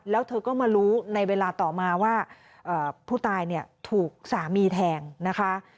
แล้วเธอก็มารู้ในเวลาต่อมาว่าผู้ตายเนี่ยถูกสามีแทงนะคะ